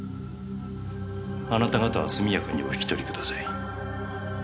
あなた方はすみやかにおひきとりください。